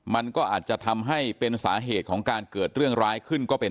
มันก็อาจจะทำให้เป็นสาเหตุของการเกิดเรื่องร้ายขึ้นก็เป็น